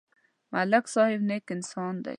ملک صاحب نېک انسان دی.